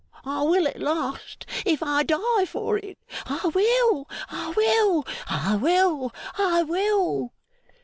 I will, at last, if I die for it. I will, I will, I will, I will!